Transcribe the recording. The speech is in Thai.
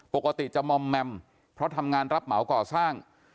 ปกติจะมอมแมมเพราะทำงานรับเหมาก่อสร้าง